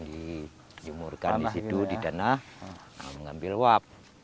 dijemurkan di situ di tanah mengambil uap